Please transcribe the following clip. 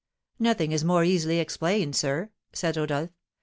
"Nothing is more easily explained, sir," said Rodolph.